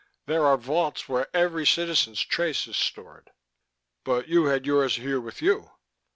There are vaults where every citizen's trace is stored." "But you had yours here with you."